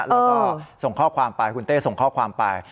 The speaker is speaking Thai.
แล้วก็ส่งข้อความไปคุณเต้ส่งข้อความไป